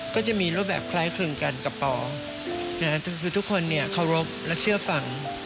ก็จะมีรูปแบบคล้ายคลึงกันกับปอคือทุกคนเนี่ยเคารพและเชื่อฟัง